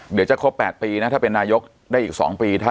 เดี๋ยวจะครบ๘ปีนะถ้าเป็นนายกได้อีก๒ปี